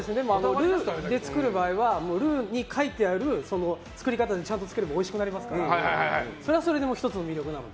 ルーで作る場合はルーに書いてある作り方でちゃんと作ればおいしくなりますからそれはそれで１つの魅力なので。